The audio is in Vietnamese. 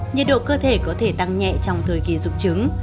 nhiệt độ cơ thể có thể tăng nhẹ trong thời kỳ rục trứng